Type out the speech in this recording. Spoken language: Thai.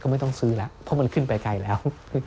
ไม่ต้องซื้อแล้วเพราะมันขึ้นไปไกลแล้ว